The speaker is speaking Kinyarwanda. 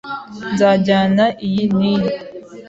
Nzajyana iyi n'iyi.